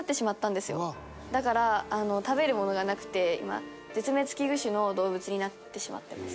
「だから食べるものがなくて今絶滅危惧種の動物になってしまってます」